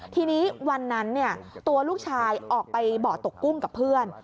ทีนี้วันนั้นตัวลูกชายออกไปบ่อตกกุ้งกับเพื่อน